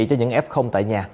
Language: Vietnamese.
cho những f tại nhà